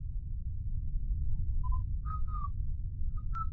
该物种的模式产地在鄂毕河。